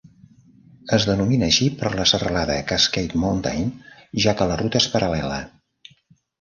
Es denomina així per la serralada Cascade Mountain, ja que la ruta és paral·lela.